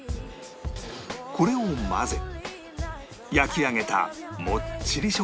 これを混ぜ焼き上げたもっちり食感の生地に